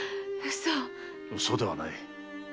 嘘ではない。